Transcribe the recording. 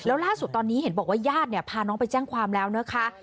แล้วล่าสุดตอนนี้เห็นบอกว่าญาติเนี่ยพาน้องไปแจ้งความแล้วนะคะ